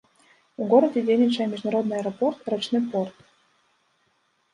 У горадзе дзейнічае міжнародны аэрапорт, рачны порт.